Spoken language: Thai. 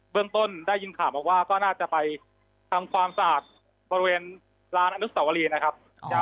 เรื่องต้นได้ยินข่าวมาว่าก็น่าจะไปทำความสะอาดบริเวณร้านอนุสวรีนะครับ